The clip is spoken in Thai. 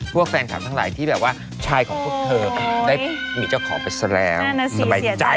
พวกแฟนคลับทั้งหลายที่แบบว่าชายของพวกเธอได้มีเจ้าของไปซะแล้วสบายใจ